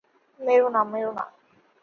মেরো না, মেরো না!